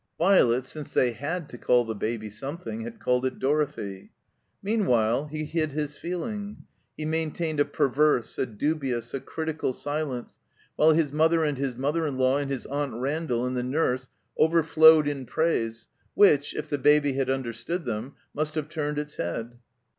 (Violet, since they had to call the Baby something, had called it Dorothy.) Meanwhile, he hid his feeling. He maintained a perverse, a dubious, a critical silence while his mother and his mother in law and his Aunt Randall and the nurse overflowed in praise which, if the Baby had understood them, must have turned its head.